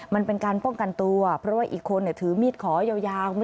มันเป็นการป้องกันตัวเพราะว่าอีกคนถือมีดขอยาว